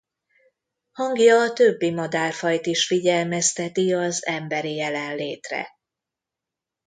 Hangja a többi madárfajt is figyelmezteti az emberi jelenlétre.